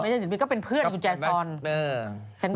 ไม่ใช่ศิลปินก็เป็นเพื่อนกุญแจซอน